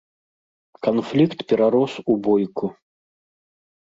Канфлікт перарос у бойку.